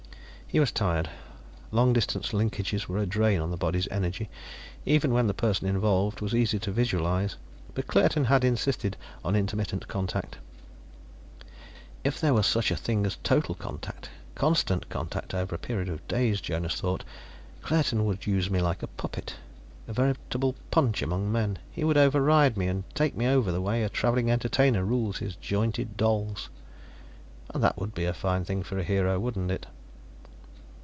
He was tired; long distance linkages were a drain on the body's energy, even when the person involved was easy to visualize. But Claerten had insisted on intermittent contact. If there were such a thing as total contact, constant contact over a period of days, Jonas thought, Claerten would use me for a puppet, a veritable Punch among men; he would override me and take me over the way a traveling entertainer rules his jointed dolls. And that would be a fine thing for a hero, wouldn't it?